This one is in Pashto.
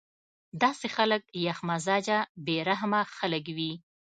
داسې خلک يخ مزاجه بې رحمه خلک وي